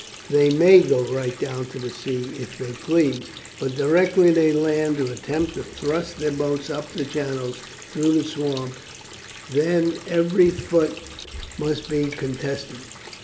They may go right down to the sea if they please, but directly they land or attempt to thrust their boats up the channels through the swamp, then every foot must be contested.